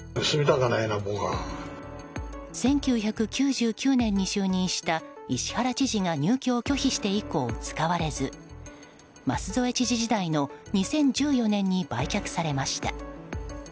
１９９９年に就任した石原知事が入居を拒否して以降使われず舛添知事時代の２０１４年に売却されました。